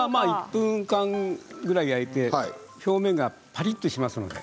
１分間ぐらい焼いて表面がパリっとしますので。